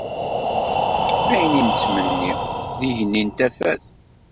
Ayen i nettmenni d igenni n tafat.